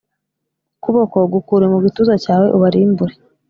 Ukuboko gukure mu gituza cyawe ubarimbure